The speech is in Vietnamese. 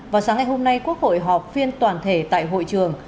vào sáng ngày hôm nay quốc hội họp phiên toàn thể tại hội trường